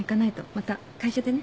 また会社でね。